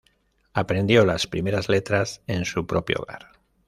Aprendió las primeras letras en su propio hogar.